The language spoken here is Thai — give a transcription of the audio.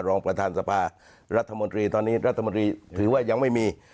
รองประธานสภารัฐมนตรีตอนนี้รัฐมนตรีถือว่ายังไม่มี